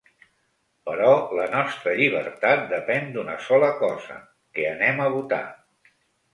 Però la nostra llibertat depèn d’una sola cosa: que anem a votar.